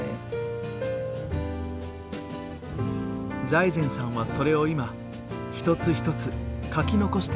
財前さんはそれを今一つ一つ書き残しています。